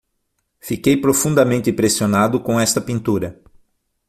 Fiquei profundamente impressionado com esta pintura.